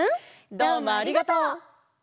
どうもありがとう！